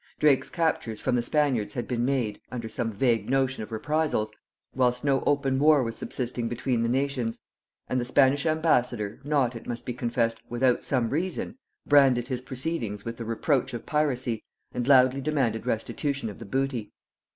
Drake's captures from the Spaniards had been made, under some vague notion of reprisals, whilst no open war was subsisting between the nations; and the Spanish ambassador, not, it must be confessed, without some reason, branded his proceedings with the reproach of piracy, and loudly demanded restitution of the booty.